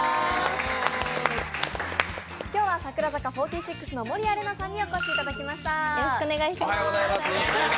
今日は櫻坂４６の守屋麗奈さんにお越しいただきました。